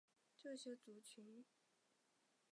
这些族群在古代并不被其他民族认为是凯尔特人。